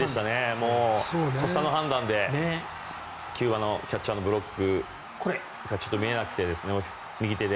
とっさの判断でキューバのキャッチャーのブロックがちょっと見えなくて右手で。